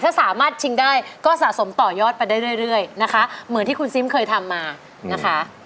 ถ้าสามารถชิงได้ก็สะสมต่อยอดไปได้เรื่อยนะคะเหมือนที่คุณซิมเคยทำมานะคะ